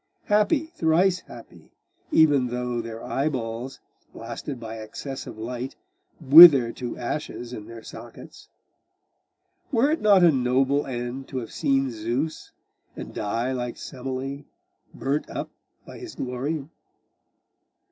Happy, thrice happy,! even though their eyeballs, blasted by excess of light, wither to ashes in their sockets! Were it not a noble end to have seen Zeus, and die like Semele, burnt up by his glory?